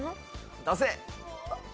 出せ！